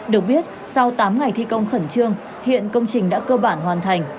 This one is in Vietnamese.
được biết sau tám ngày thi công khẩn trương hiện công trình đã cơ bản hoàn thành